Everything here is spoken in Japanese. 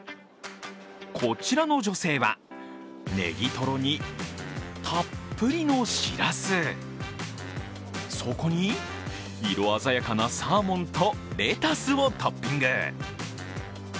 こちらの女性はネギトロにたっぷりのしらす、そこに色鮮やかなサーモンとレタスをトッピング。